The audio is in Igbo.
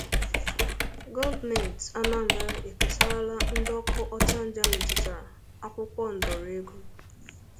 Gọọmenti Anambra Ekesàárala Ndị Ọkụ Ọchanja Metụtara Akwụkwọ Ndọrọ Ego